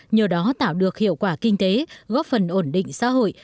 nhờ đó tạo được hiệu quả kinh tế góp phần ổn định xã hội